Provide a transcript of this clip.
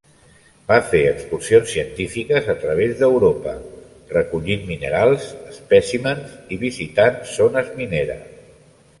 Va fer excursions científiques a través d'Europa, recollint minerals, espècimens i visitant zones mineres.